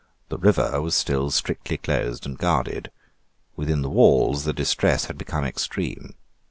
The river was still strictly closed and guarded. Within the walls the distress had become extreme.